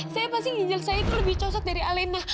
saya pasti ginjal saya itu lebih cocok dari alina